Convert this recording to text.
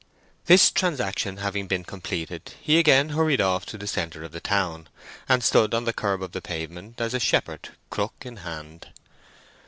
This transaction having been completed, he again hurried off to the centre of the town, and stood on the kerb of the pavement, as a shepherd, crook in hand.